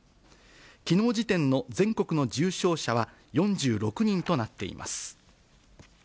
きのう時点の全国の重症者は４６人となっています。